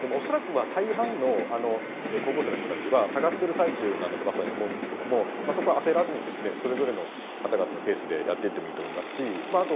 恐らくは大半の高校生の人たちは探してる最中なんだとまさに思うんですけどもそこは焦らずにですねそれぞれの方々のペースでやっていってもいいと思いますしま